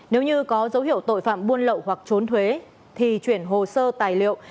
nếu như có dấu hiệu tội phạm buôn lậu hoặc trốn thuế thì chuyển hồ sơ tài liệu